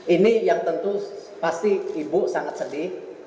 ini yang tentu pasti ibu sangat sedih